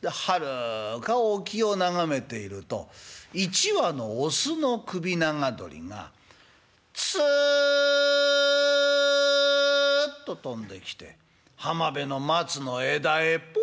ではるか沖を眺めていると１羽のオスの首長鳥がつっと飛んできて浜辺の松の枝へポイッと止まった。